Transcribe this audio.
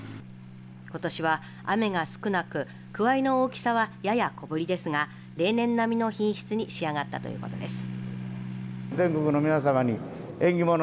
ことしは、雨が少なくくわいの大きさはやや小ぶりですが例年並みの品質に仕上がったということです。